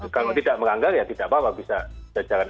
kalau tidak melanggar ya tidak apa apa bisa jalan